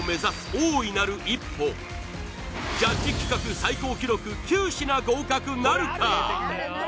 ジャッジ企画最高記録９品合格なるか！？